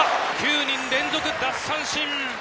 ９人連続奪三振！